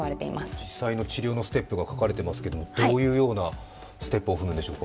実際の治療のステップが書かれてますけどどういうようなステップを踏むんでしょうか。